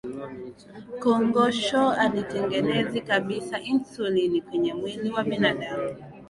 kongosho halitengenezi kabisa insulini kwenye mwili wa binadamu